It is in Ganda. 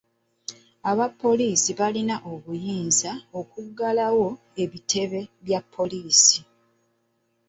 Abapoliisi balina obuyinza okuggalawo ebitebe bya poliisi.